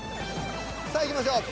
さあいきましょう。